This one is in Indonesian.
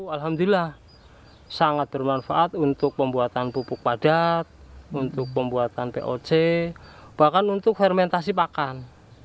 alhamdulillah sangat bermanfaat untuk pembuatan pupuk padat untuk pembuatan poc bahkan untuk fermentasi pakan